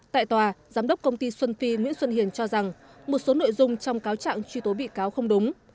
tại tòa giám đốc công ty xuân phi nguyễn xuân hiền cho rằng một số nội dung trong cáo trạng truy tố bị cáo không đúng